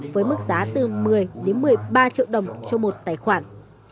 với mức giá từ một mươi đến một mươi ba triệu đồng cho một tài khoản